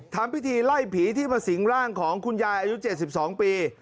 ทำพิธีไล่ผีที่มาสิงร่างของคุณยายอายุ๗๒ปี